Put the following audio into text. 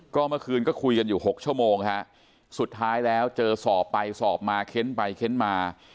ก็เมื่อคืนก็คุยกันอยู่๖ชั่วโมงฮะสุดท้ายแล้วเจอสอบไปสอบมาเค้นไปเค้นมา